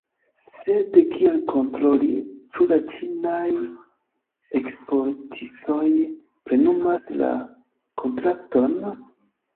Sed kiel kontroli, ĉu la ĉinaj eksportistoj plenumas la kontrakton?